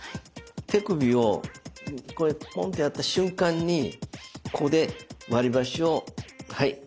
手首をこれポンとやった瞬間にここで割りばしをはい。